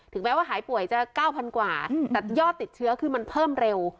แม้ว่าหายป่วยจะ๙๐๐กว่าแต่ยอดติดเชื้อคือมันเพิ่มเร็ว